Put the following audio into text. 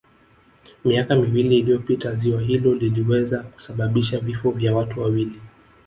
Miaka miwili iliyopita ziwa hilo liliweza kusababisha vifo vya watoto wawili